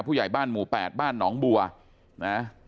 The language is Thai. ผู้ใหญ่บ้านหมู่๘บ้านหนองบัวนะ